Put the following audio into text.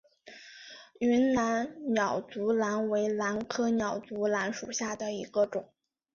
云南鸟足兰为兰科鸟足兰属下的一个种。